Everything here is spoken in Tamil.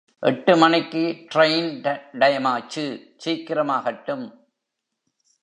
எட்டு மணிக்கு ட்ரையின் டயமாச்சு சீக்கிரம் ஆகட்டும்.